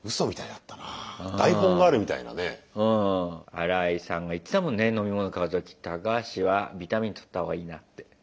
アライさんが言ってたもんね飲み物買う時「タカハシはビタミンとった方がいいな」って。